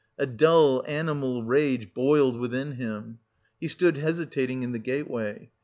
A dull animal rage boiled within him. He stood hesitating in the gateway.